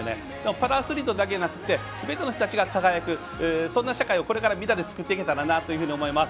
パラアスリートだけじゃなくすべての人たちが輝くそんな社会を作っていけたらなと思います。